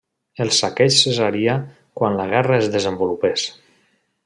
El saqueig cessaria quan la guerra es desenvolupés.